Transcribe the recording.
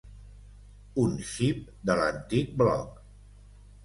Un xip de l'antic bloc.